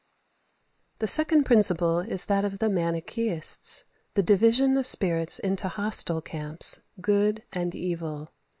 The second principle is that of the Manichaeists: the division of spirits into hostile camps, good and evil.